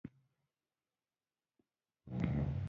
• ته زما د دعا خوږ تعبیر یې.